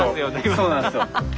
そうなんですよ。